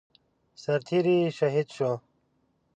سرتيری شهید شو